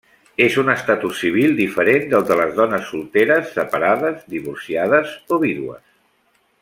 És un estatus civil diferent del de les dones solteres, separades, divorciades o vídues.